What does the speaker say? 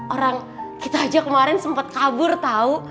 orang kita ajak kemaren sempet kabur tau